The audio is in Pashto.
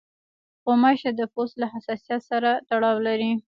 غوماشې د پوست له حساسیت سره تړاو لري.